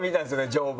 乗馬。